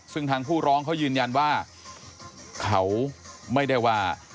ซึ่งทางผู้ร้องเขายืนยันว่าเขาไม่ได้ว่า